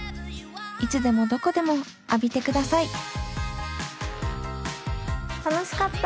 いつでもどこでも浴びてください楽しかった。